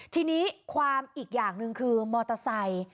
ทีนี้ความอีกอย่างหนึ่งคือมอเตอร์ไซค์